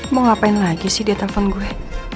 mau ngapain lagi sih dia telpon gue